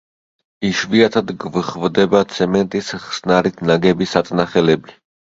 იშვიათად გვხვდება ცემენტის ხსნარით ნაგები საწნახელები.